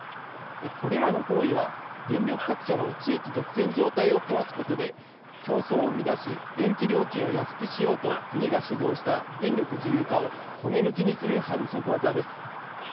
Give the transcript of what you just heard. これらの行為は電力各社の地域独占状態を壊すことで競争を生み出し、電気料金を安くしようと国が主導した電力自由化を骨抜きにする反則技です。